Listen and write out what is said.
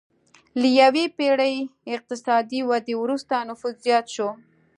له یوې پېړۍ اقتصادي ودې وروسته نفوس زیات شو.